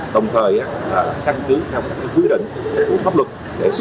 đồng thời là căn cứ theo các quy định của pháp luật để xử nghiêm